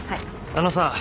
あのさ！